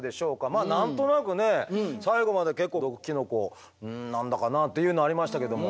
まあ何となくね最後まで結構毒キノコうん何だかなっていうのありましたけども。